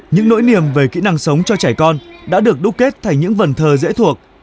những nỗi niềm về kỹ năng sống cho trẻ con đã được đúc kết thành những vần thơ dễ thuộc